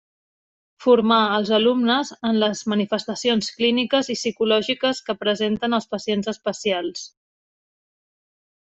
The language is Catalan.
Formar els alumnes en les manifestacions clíniques i psicològiques que presenten els pacients especials.